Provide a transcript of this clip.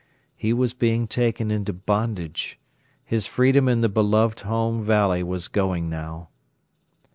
He was being taken into bondage. His freedom in the beloved home valley was going now.